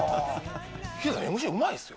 ヒデさん、ＭＣうまいですよ。